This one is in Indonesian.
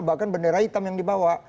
bahkan bendera hitam yang dibawa